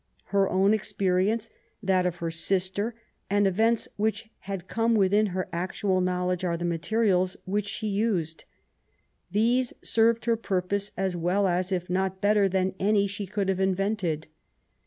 Her own experience, that of her sister, and events which had come within her actual knowledge, are the materials which she used. These served her purpose as well as, if not better than, any «he could have invented.